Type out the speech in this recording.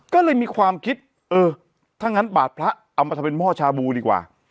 ก็เลยมีความคิดเออถ้างั้นบาทพระเอามาทำเป็นหม้อชาบูดีกว่า